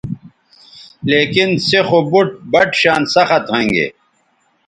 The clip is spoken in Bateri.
لیکن سے خو بُٹ بَٹ شان سخت ھوینگے